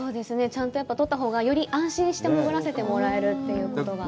ちゃんと取ったほうがより安心して潜らせてもらえるということで。